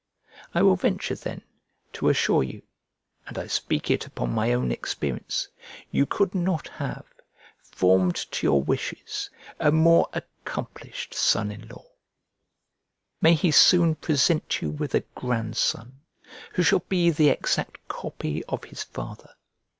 I will venture, then, to assure you (and I speak it upon my own experience) you could not have, formed to your wishes, a more accomplished son in law. May he soon present you with a grandson, who shall be the exact copy of his father!